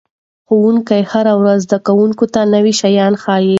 ښوونکي هره ورځ زده کوونکو ته نوي شیان ښيي.